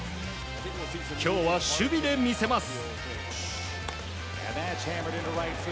今日は守備で魅せます。